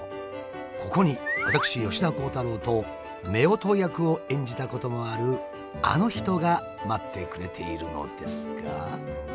ここに私吉田鋼太郎と夫婦役を演じたこともあるあの人が待ってくれているのですが。